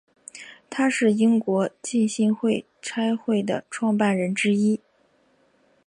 他是英国浸信会差会的创办人之一。